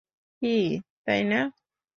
কী, তাই না?